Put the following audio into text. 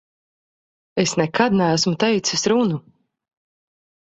Es nekad neesmu teicis runu.